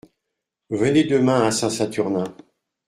Venez demain à Saint-Saturnin.